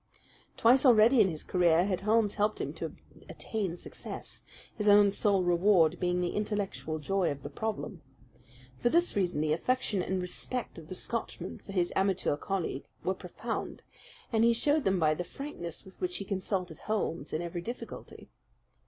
Twice already in his career had Holmes helped him to attain success, his own sole reward being the intellectual joy of the problem. For this reason the affection and respect of the Scotchman for his amateur colleague were profound, and he showed them by the frankness with which he consulted Holmes in every difficulty.